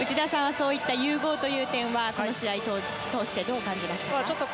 そういった融合という点はこの試合を通してどう感じましたか？